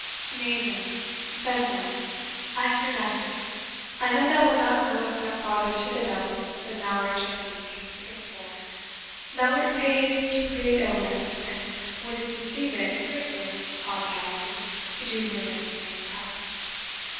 "Nay, then," said Varney, "I fear nothing. I know thou wilt not go a step farther to the devil than thou art justly considered for thou wert paid to create illness, and wouldst esteem it thriftless prodigality to do murder at the same price.